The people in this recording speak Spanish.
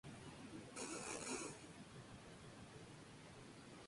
Hicieron su primer regreso en "M!